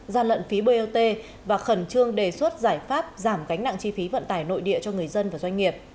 gian lận phí bot và khẩn trương đề xuất giải pháp giảm gánh nặng chi phí vận tải nội địa cho người dân và doanh nghiệp